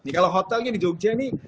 kalau hotelnya di yogyakarta nih